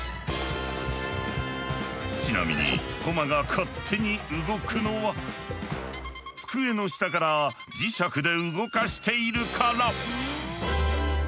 ちなみに駒が勝手に動くのは机の下から磁石で動かしているから。